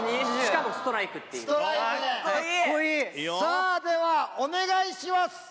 じゃお願いします。